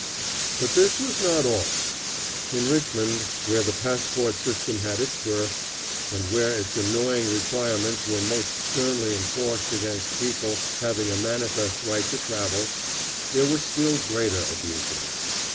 But this was not all. In Richmond, where the passport system had its birth, and where its annoying requirements were most sternly enforced against people having a manifest right to travel, there were still greater abuses.